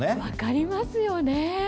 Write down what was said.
分かりますよね。